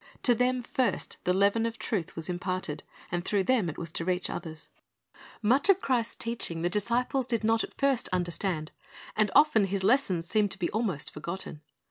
To them first the leaven of truth was imparted, and through them it was to reach others. Much of Christ's teaching the disciples did not at first understand, and often His lessons seemed to be almost forgotten.